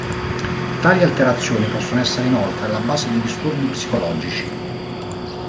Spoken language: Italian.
Tali alterazioni possono essere inoltre alla base di disturbi psicologici.